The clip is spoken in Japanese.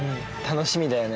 楽しみだよね。